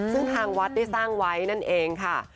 ซึ่งทางวัดได้สร้างไว้นั่นเองค่ะ